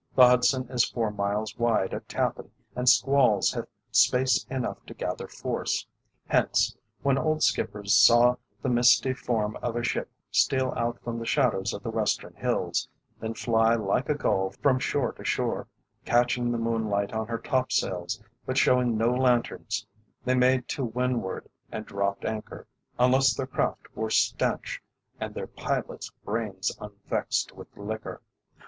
The Hudson is four miles wide at Tappan, and squalls have space enough to gather force; hence, when old skippers saw the misty form of a ship steal out from the shadows of the western hills, then fly like a gull from shore to shore, catching the moonlight on her topsails, but showing no lanterns, they made to windward and dropped anchor, unless their craft were stanch and their pilot's brains unvexed with liquor.